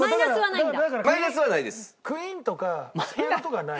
クイーンとかスペードとかはない。